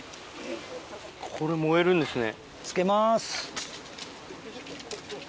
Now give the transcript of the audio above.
これ、燃えるんですね。